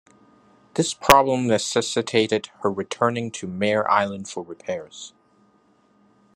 This problem necessitated her returning to Mare Island for repairs.